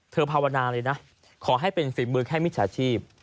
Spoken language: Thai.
ภาวนาเลยนะขอให้เป็นฝีมือแค่มิจฉาชีพ